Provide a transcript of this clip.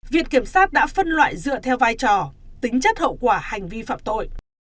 viện kiểm sát đã phân loại dựa theo vai trò tính chất hậu quả hành vi phạm tội